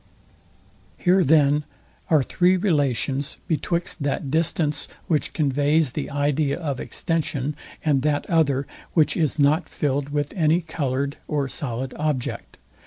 Here then are three relations betwixt that distance, which conveys the idea of extension, and that other, which is not filled with any coloured or solid object.